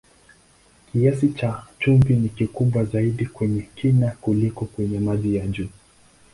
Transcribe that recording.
Kiasi cha chumvi ni kikubwa zaidi kwenye kina kuliko kwenye maji ya juu.